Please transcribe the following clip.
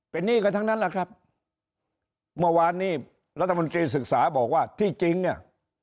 เป็นหนี้กันทั้งนั้นแหละครับเมื่อวานนี้รัฐมนตรีศึกษาบอกว่าที่จริงเนี่ย